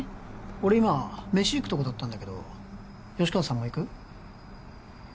俺今飯行くとこだったんだけど吉川さんも行く？